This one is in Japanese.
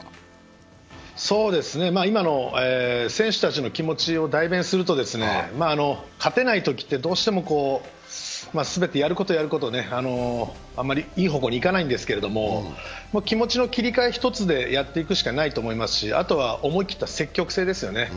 選手たちの気持ちを代弁すると、勝てないときってどうしても全てやることやること、あまりいい方向にいかないんですけど、気持ちの切り替え一つでやっていくしかないと思いますし、あとは思い切った積極性ですよね。